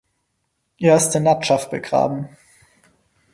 Er ist in Nadschaf begraben.